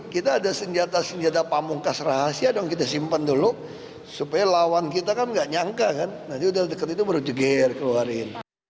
kamu nggak nyangka kan nah itu udah deket itu baru jeger keluarin